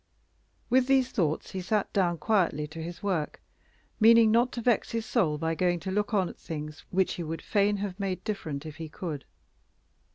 With these thoughts he sat down quietly to his work, meaning not to vex his soul by going to look on at things he would fain have made different if he could.